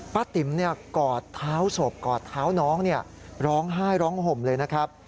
ป๊าติ๋มเนี่ยกอดเท้าศพกอดเท้าน้องเนี่ยร้องไห้ร้องห่มเลยนะครับ